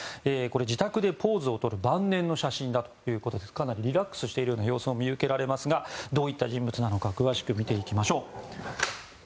自宅でポーズをとる晩年の写真ということでかなりリラックスしている様子も見受けられますがどういった人物なのか詳しく見ていきます。